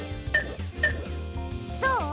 どう？